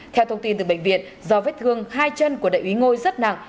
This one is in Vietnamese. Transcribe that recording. theo thông tin từ bệnh viện do vết thương hai chân của đại úy ngôi rất nặng